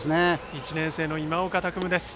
１年生の今岡拓夢。